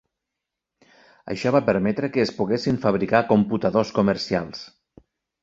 Això va permetre que es poguessin fabricar computadors comercials.